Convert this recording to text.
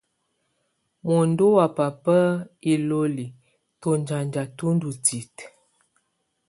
Muǝndú wá baba iloli, tɔnzanja tú ndɔ́ titǝ.